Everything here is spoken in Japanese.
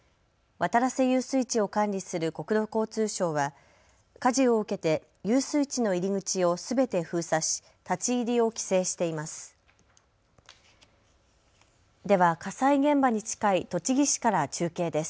渡良瀬遊水地を管理する国土交通省は火事を受けて遊水地の入り口をすべて封鎖し立ち入りを規制しています。